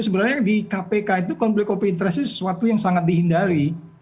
sebenarnya di kpk itu konflik kopi interasi sesuatu yang sangat dihindari